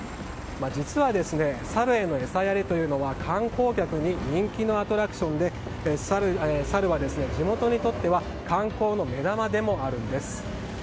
実は、サルへの餌やりというのは観光客に人気のアトラクションでサルは地元にとっては観光の目玉でもあるんです。